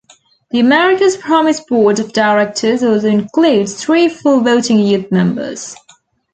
The America's Promise board of directors also includes three full voting youth members.